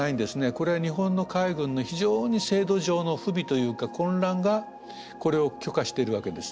これは日本の海軍の非常に制度上の不備というか混乱がこれを許可してるわけです。